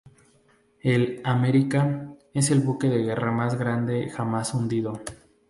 El "America" es el buque de guerra más grande jamás hundido.